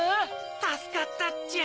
たすかったっちゃ。